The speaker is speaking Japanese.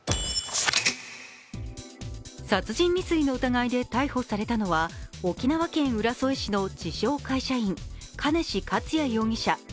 殺人未遂の疑いで逮捕されたのは沖縄県浦添市の自称・会社員兼次克也容疑者